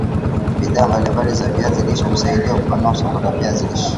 Bidhaa mbalimbali za viazi lishe husaidia kupanua soko la viazi lishe